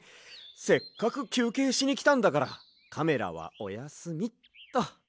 せっかくきゅうけいしにきたんだからカメラはおやすみっと。